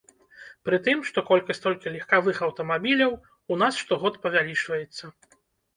Пры тым, што колькасць толькі легкавых аўтамабіляў у нас штогод павялічваецца.